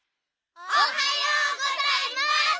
おはようございます！